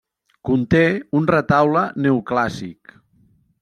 Conté un retaule neoclàssic.